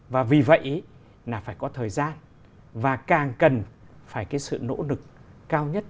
và vì vậy là phải có thời gian và càng cần phải cái sự nỗ lực cao nhất